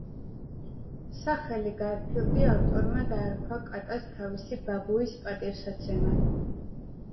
სახელი „გარფილდი“ ავტორმა დაარქვა კატას თავისი ბაბუის პატივსაცემად.